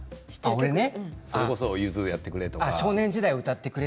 それこそゆずをやってくれとか。